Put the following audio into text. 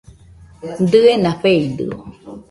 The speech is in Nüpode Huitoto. Dɨena feidɨo